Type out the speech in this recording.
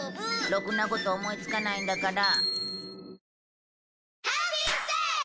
ろくなこと思いつかないんだから。